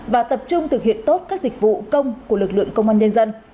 và tập trung thực hiện tốt các dịch vụ công của lực lượng công an nhân dân